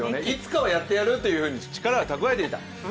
いつかはやってやるというふうに力を蓄えていた。